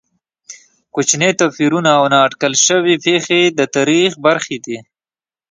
کوچني توپیرونه او نا اټکل شوې پېښې د تاریخ برخې دي.